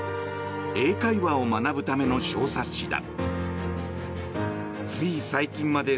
英会話を学ぶための小冊子だ。